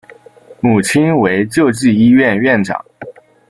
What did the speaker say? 母亲为救济医院院长。